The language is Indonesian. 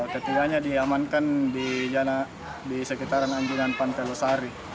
ketiga nya diamankan di sekitar anjuran pantai losari